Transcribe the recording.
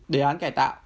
đề án cải tạo